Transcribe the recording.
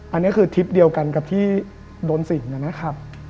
อันนี้คือทริปเดียวกันกับที่โดนสิงนะครับ